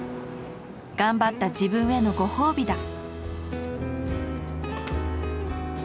頑張った自分へのご褒美だ。